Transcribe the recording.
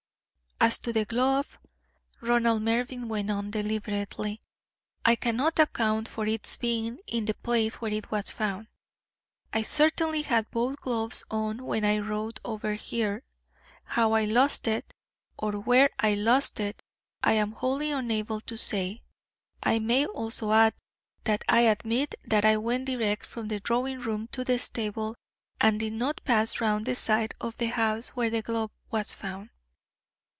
"As to the glove," Ronald Mervyn went on, deliberately, "I cannot account for its being in the place where it was found. I certainly had both gloves on when I rode over here; how I lost it, or where I lost it, I am wholly unable to say. I may also add that I admit that I went direct from the drawing room to the stable, and did not pass round the side of the house where the glove was found."